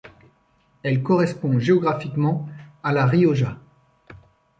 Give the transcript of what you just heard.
Elle correspond géographiquement à La Rioja.